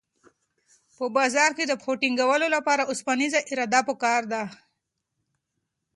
په بازار کې د پښو ټینګولو لپاره اوسپنیزه اراده پکار ده.